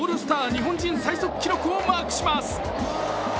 日本人最速記録をマークします。